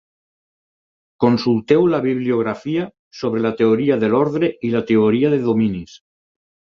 Consulteu la bibliografia sobre la teoria de l'ordre i la teoria de dominis.